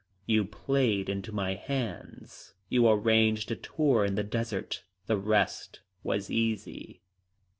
You played into my hands. You arranged a tour in the desert. The rest was easy."